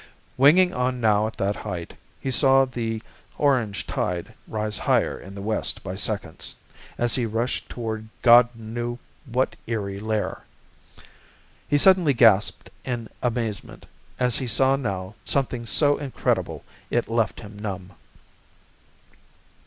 Winging on now at that height, he saw the orange tide rise higher in the west by seconds, as he rushed toward God knew what eery lair. He suddenly gasped in amazement, as he saw now something so incredible it left him numb.